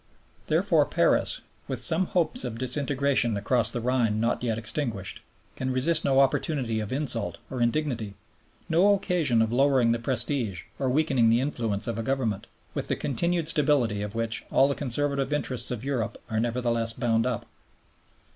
Therefore Paris, with some hopes of disintegration across the Rhine not yet extinguished, can resist no opportunity of insult or indignity, no occasion of lowering the prestige or weakening the influence of a Government, with the continued stability of which all the conservative interests of Europe are nevertheless bound up.